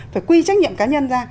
phải quy trách nhiệm cá nhân ra